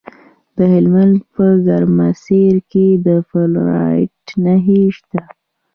د هلمند په ګرمسیر کې د فلورایټ نښې شته.